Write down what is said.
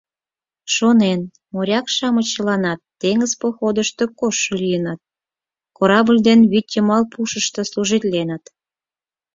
Шонен, моряк-шамыч чыланат теҥыз походыш коштшо лийыныт, корабль ден вӱдйымал пушышто служитленыт.